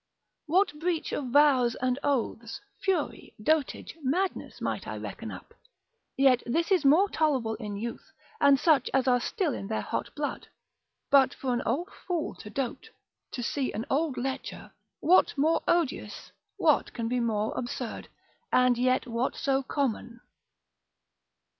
What breach of vows and oaths, fury, dotage, madness, might I reckon up? Yet this is more tolerable in youth, and such as are still in their hot blood; but for an old fool to dote, to see an old lecher, what more odious, what can be more absurd? and yet what so common?